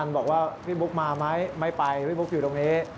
บอกว่าพี่บุ๊กมาไหมไม่ไปพี่บุ๊กอยู่ตรงนี้